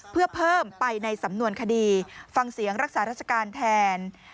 เพื่อเพิ่มไปในสำนวนคดีฟังเสียงรักษาราชการแทน